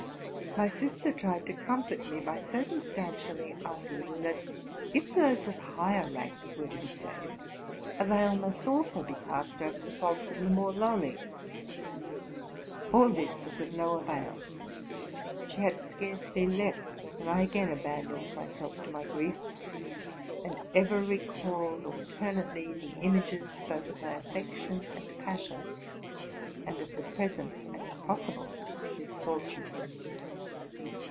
My sister tried to comfort me by circumstantially arguing that if those of higher rank were to be saved, a veil must also be cast over the*faults of the more lowly. All this was of no avail. She had scarcely left than I again abandoned myself to my grief, and ever recalled alternately the images, both of my affection and passion, and of the present and pos sible misfortune.